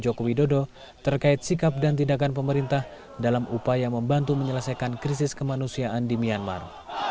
joko widodo terkait sikap dan tindakan pemerintah dalam upaya membantu menyelesaikan krisis kemanusiaan di myanmar